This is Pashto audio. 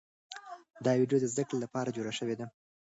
دا ویډیو د زده کړې لپاره جوړه شوې ده.